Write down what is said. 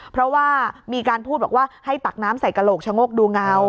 เพราะว่ามีการพูดบอกว่าให้ตักน้ำใส่กระโหลกชะโงกดูเงา